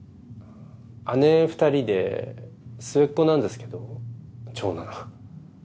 姉２人で末っ子なんですけど長男。